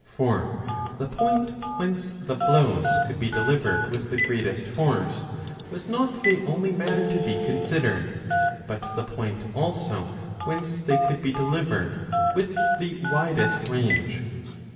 For the point whence the blows could be delivered with the greatest force was not the only matter to be considered, but the point also whence they could be delivered with the widest range.